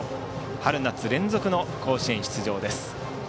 春夏連続の甲子園出場です。